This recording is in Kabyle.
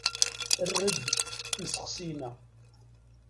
Err-d f isteqsiyen-a.